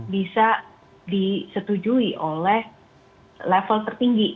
bisa disetujui oleh level tertinggi